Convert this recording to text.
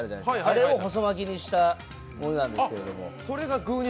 あれを細巻きにしたものなんですけれども。